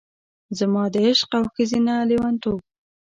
زما د عشق او ښځینه لیونتوب،